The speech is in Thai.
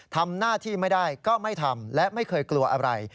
ทำหน้าที่ไม่ได้ก็ไม่ทำและไม่เคยกลัวอะไร